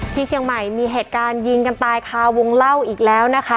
ที่เชียงใหม่มีเหตุการณ์ยิงกันตายคาวงเล่าอีกแล้วนะคะ